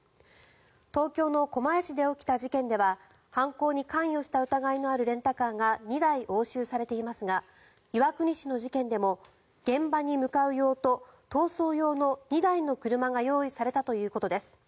東京の狛江市で起きた事件では犯行に関与した疑いのあるレンタカーが２台押収されていますが岩国市の事件でも現場に向かう用と逃走用の２台の車が用意されたということです。